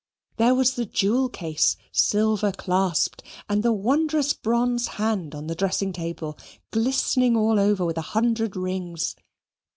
There was the jewel case, silver clasped, and the wondrous bronze hand on the dressing table, glistening all over with a hundred rings.